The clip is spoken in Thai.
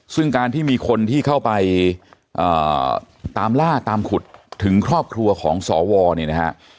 ซึ่งการที่มีคนที่เข้าไปตามล่าตามขุดถึงครอบครัวของสวเนี่ยนะฮะ